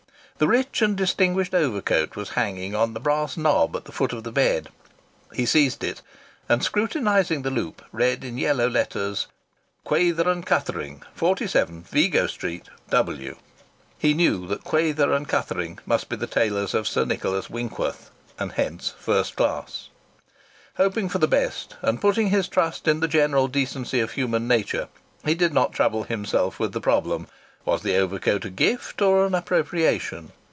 The rich and distinguished overcoat was hanging on the brass knob at the foot of the bed. He seized it, and, scrutinizing the loop, read in yellow letters: "Quayther & Cuthering, 47 Vigo Street, W." He knew that Quayther & Cuthering must be the tailors of Sir Nicholas Winkworth, and hence first class. Hoping for the best, and putting his trust in the general decency of human nature, he did not trouble himself with the problem: was the overcoat a gift or an appropriation?